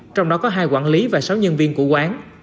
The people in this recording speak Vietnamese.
trong đó có hai quản lý và sáu nhân viên của quán